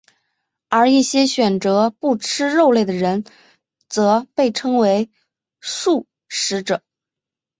而一些选择不吃肉类的人则被称为素食者。